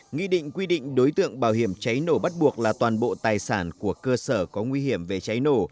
nghị định quy định đối tượng bảo hiểm cháy nổ bắt buộc là toàn bộ tài sản của cơ sở có nguy hiểm về cháy nổ